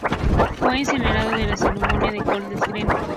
Fue incinerado en el Crematorio de Golders Green.